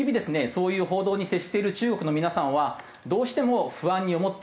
そういう報道に接している中国の皆さんはどうしても不安に思っている